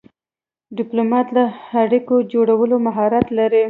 ډيپلومات د اړیکو جوړولو مهارت لري.